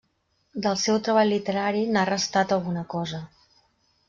Del seu treball literari, n'ha restat alguna cosa.